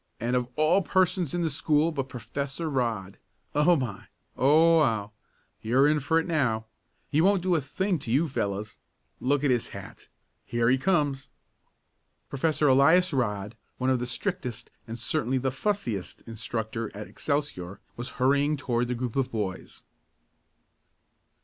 "And of all persons in the school but Professor Rodd. Oh my! Oh wow! You're in for it now! He won't do a thing to you fellows! Look at his hat! Here he comes!" Professor Elias Rodd, one of the strictest and certainly the "fussiest" instructor at Excelsior, was hurrying toward the group of boys.